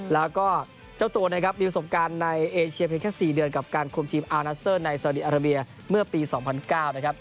แล้วก็เจ้าตัวนะครับมีประสบการณ์ในเอเชียเพียงแค่๔เดือนกับการคุมทีมอานัสเซอร์ในซาดีอาราเบียเมื่อปี๒๐๐๙นะครับ